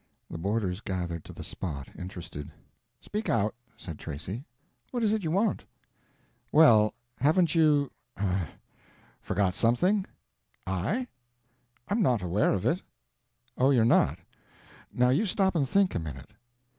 The boarders gathered to the spot, interested. "Speak out," said Tracy. "What is it you want?" "Well, haven't you—er—forgot something?" "I? I'm not aware of it." "Oh, you're not? Now you stop and think, a minute."